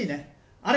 あれ？